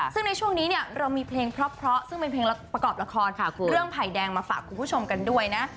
ซึ่งในช่วงนี้เนี่ยเรามีเพลงเพราะซึ่งเป็นเพลงประกอบละครเรื่องไผ่แดงมาฝากคุณผู้ชมกันด้วยนะ